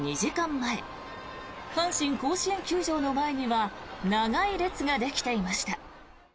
前阪神甲子園球場の前には長い列ができていました。